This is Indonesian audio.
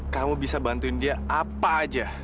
kamu bisa bantuin dia apa aja